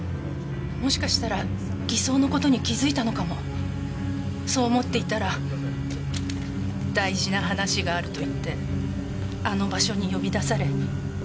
もしかしたら偽装の事に気づいたのかもそう思っていたら大事な話があると言ってあの場所に呼び出され。